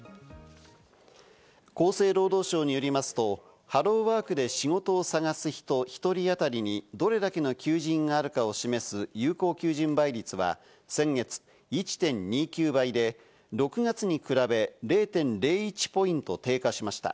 厚生労働省によりますと、ハローワークで仕事を探す人１人あたりにどれだけの求人があるかを示す有効求人倍率は、先月１．２９倍で、６月に比べ、０．０１ポイント低下しました。